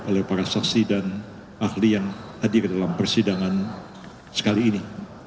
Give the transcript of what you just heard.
oleh para saksi dan ahli yang hadir dalam persidangan sekali ini